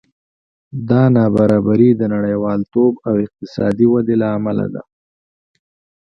دا نابرابري د نړیوالتوب او اقتصادي ودې له امله ده